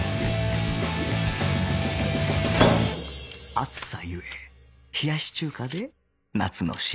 暑さゆえ冷やし中華で夏の仕上がり